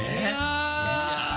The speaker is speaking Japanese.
いや！